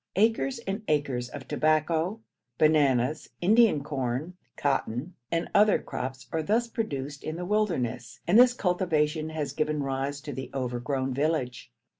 Acres and acres of tobacco, bananas, Indian corn, cotton, and other crops are thus produced in the wilderness, and this cultivation has given rise to the overgrown village.